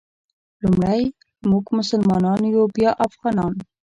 لومړی مونږ مسلمانان یو بیا افغانان.